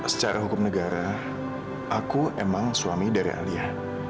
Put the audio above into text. secara hukum negara aku emang suami dari alia